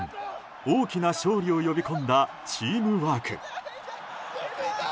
大きな勝利を呼び込んだチームワーク。